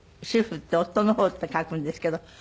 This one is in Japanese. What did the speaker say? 主夫って「夫」の方って書くんですけど。